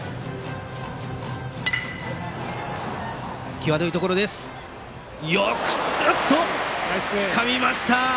際どいところをよくつかみました！